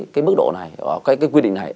cái mức độ này cái quy định này